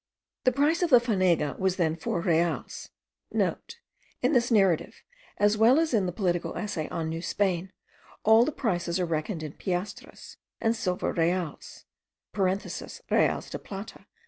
The price of the fanega was then four reals;* (* In this narrative, as well as in the Political Essay on New Spain, all the prices are reckoned in piastres, and silver reals (reales de plata).